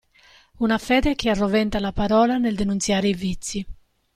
Una fede che arroventa la parola nel denunziare i vizi.